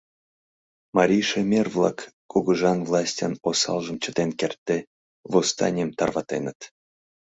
Марий шемер-влак, кугыжан властьын осалжым чытен кертде, восстанийым тарватеныт.